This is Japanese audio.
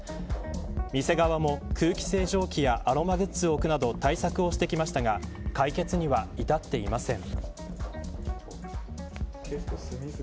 店側も空気清浄機やアロマグッズを置くなど対策をしてきましたが解決には至っていません。